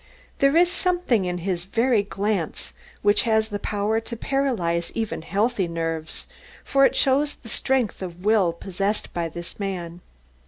There is something in his very glance which has the power to paralyse even healthy nerves, for it shows the strength of will possessed by this man."